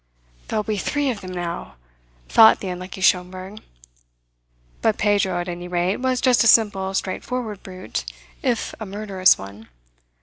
"There will be three of them now," thought the unlucky Schomberg. But Pedro, at any rate, was just a simple, straightforward brute, if a murderous one.